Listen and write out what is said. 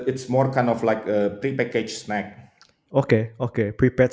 kita melakukan itu tapi itu lebih seperti makanan terpaket